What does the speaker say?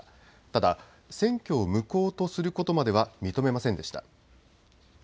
ただ選挙を無効とすることまでは認めませんでした。